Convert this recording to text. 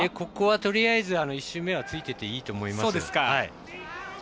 ここはとりあえず１周目はついていっていいと思います。